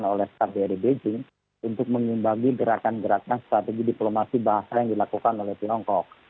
yang dilakukan oleh start d a d beijing untuk menyumbagi gerakan gerakan strategi diplomasi bahasa yang dilakukan oleh tiongkok